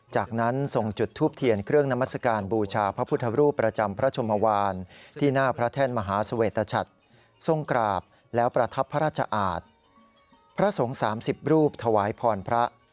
จากนั้นทรงจุดทูปเทียนเครื่องนามัศกาลบูชาพระพุทธรูปประจำพระชมวานที่หน้าพระแท่นมหาเสวตชัดทรงกราบแล้วประทับพระราชอาจพระสงฆ์๓๐รูปถวายพรพระ